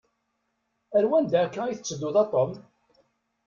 Ar wanda akka i tettedduḍ a Tom?